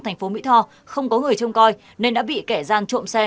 thành phố mỹ tho không có người trông coi nên đã bị kẻ gian trộm xe